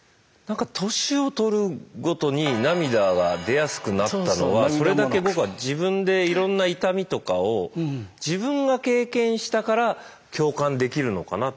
年を取るごとに涙が出やすくなったのはそれだけ僕は自分でいろんな痛みとかを自分が経験したから共感できるのかなと。